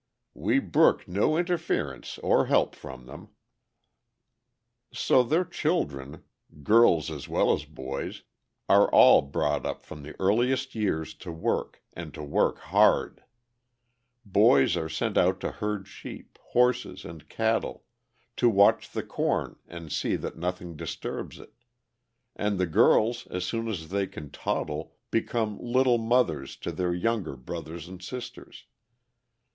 We brook no interference or help from them." [Illustration: HOPI WOMEN BUILDING A HOUSE AT ORAIBI, ARIZONA.] So their children (girls as well as boys) are all brought up from the earliest years to work, and to work hard. Boys are sent out to herd sheep, horses, and cattle; to watch the corn and see that nothing disturbs it. And the girls, as soon as they can toddle, become "little mothers" to their younger brothers and sisters.